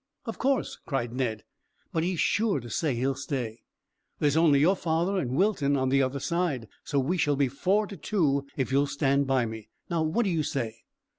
"Of course," cried Ned; "but he's sure to say he'll stay. There's only your father and Wilton on the other side, so we shall be four to two if you'll stand by me. Now what do you say?"